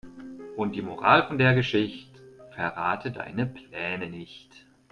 Und die Moral von der Geschicht': Verrate deine Pläne nicht.